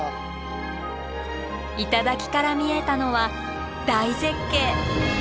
頂から見えたのは大絶景。